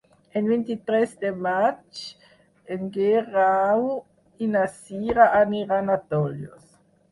El vint-i-tres de maig en Guerau i na Cira aniran a Tollos.